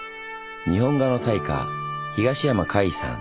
日本画の大家東山魁夷さん。